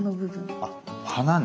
あっ鼻ね。